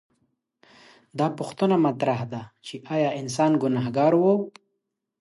دا پوښتنه مطرح ده چې ایا انسان ګنهګار و؟